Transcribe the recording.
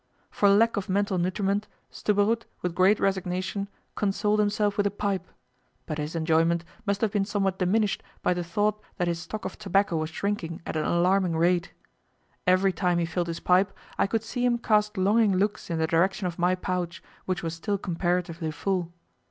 For lack of mental nutriment, Stubberud with great resignation consoled himself with a pipe, but his enjoyment must have been somewhat diminished by the thought that his stock of tobacco was shrinking at an alarming rate. Every time he filled his pipe, I could see him cast longing looks in the direction of my pouch, which was still comparatively full.